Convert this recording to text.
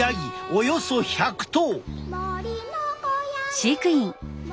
およそ１００頭！